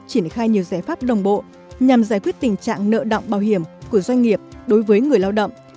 triển khai nhiều giải pháp đồng bộ nhằm giải quyết tình trạng nợ động bảo hiểm của doanh nghiệp đối với người lao động